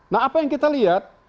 nah apa yang kita lihat